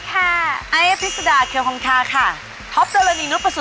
ขอต้อนรับคุณผู้ชมเข้าสู่รายการที่พร้อมจัดหนาวทุกเรื่องที่พร้อมมีคุณที่แข็งหนับ